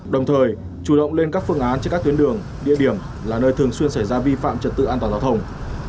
đồng thời chủ động lên các phương án trên các tuyến đường địa điểm là nơi thường xuyên xảy ra vi phạm trật tự an toàn giao thông